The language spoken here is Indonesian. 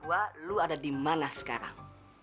aku mau tahu sama gua lo ada dimana sekarang